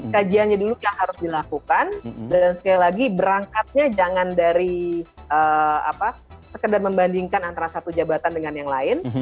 kajiannya dulu yang harus dilakukan dan sekali lagi berangkatnya jangan dari sekedar membandingkan antara satu jabatan dengan yang lain